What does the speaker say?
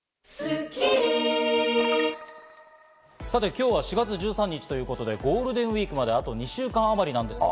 今日は４月１３日ということで、ゴールデンウイークまであと２週間あまりです。